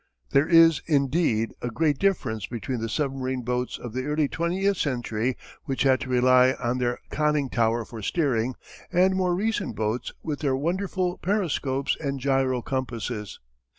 There is, indeed, a great difference between the submarine boats of the early twentieth century which had to rely on their conning tower for steering, and more recent boats with their wonderful periscopes and gyro compasses.